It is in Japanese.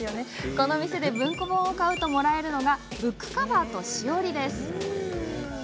この店で文庫本を買うともらえるのがブックカバーと、しおり。